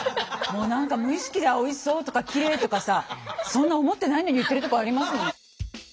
もう何か無意識で「あっおいしそう」とか「きれい」とかさそんな思ってないのに言ってるとこあります。